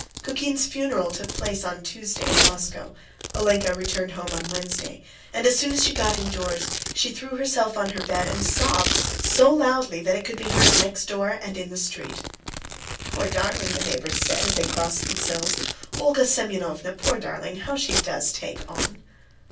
Kukin's funeral took place on Tuesday in Moscow, Olenka returned home on Wednesday, and as soon as she got indoors, she threw herself on her bed and sobbed so loudly that it could be heard next door, and in the street. "Poor darling!" the neighbours said, as they crossed themselves. "Olga Semyonovna, poor darling! How she does take on!"